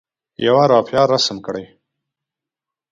یوه رافعه رسم کړئ.